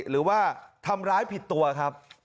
หรือว่าทำร้ายผิดตัวครับ